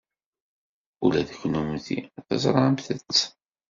Ula d kennemti teẓramt-t.